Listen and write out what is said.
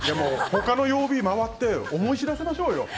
他の曜日を回って思い知らせましょうよ。